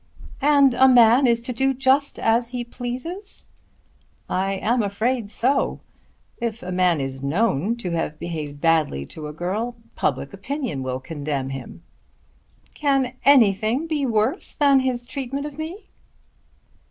"And a man is to do just as he pleases?" "I am afraid so. If a man is known to have behaved badly to a girl, public opinion will condemn him." "Can anything be worse than this treatment of me?"